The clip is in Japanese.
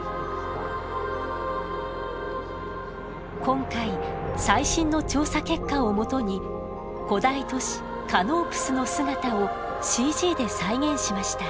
今回最新の調査結果を基に古代都市カノープスの姿をＣＧで再現しました。